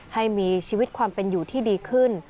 ให้มีชีวิตความเป็นอยู่ที่ดีขึ้น